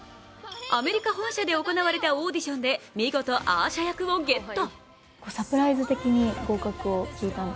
アメリカ本社で行われたオーディションで見事、アーシャ役をゲット。